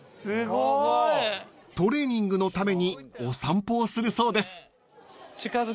［トレーニングのためにお散歩をするそうです］